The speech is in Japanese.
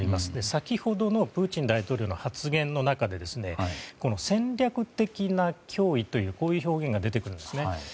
先ほどのプーチン大統領の発言の中で戦略的な脅威という表現が出てくるんですね。